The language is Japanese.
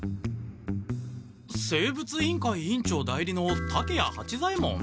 生物委員会委員長代理の竹谷八左ヱ門！？